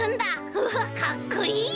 うわっかっこいい！